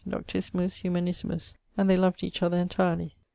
], 'doctissimus, humanissimus'; and they loved each other entirely.